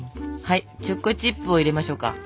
はいチョコチップを入れましょうか。